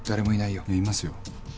いやいますよ。